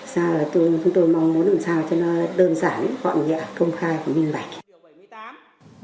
sau đó chúng tôi mong muốn làm sao cho nó đơn giản gọn nhẹ công khai và minh bạch